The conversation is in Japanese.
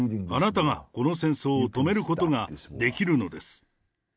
あなたがこの戦争を止めることができるのです。